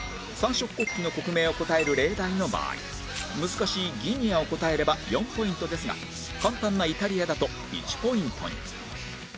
３色国旗の国名を答える例題の場合難しいギニアを答えれば４ポイントですが簡単なイタリアだと１ポイントに